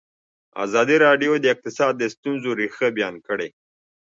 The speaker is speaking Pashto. ازادي راډیو د اقتصاد د ستونزو رېښه بیان کړې.